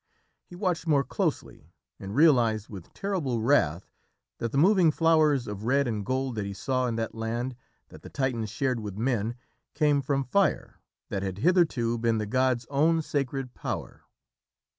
He watched more closely, and realised with terrible wrath that the moving flowers of red and gold that he saw in that land that the Titans shared with men, came from fire, that had hitherto been the gods' own sacred power.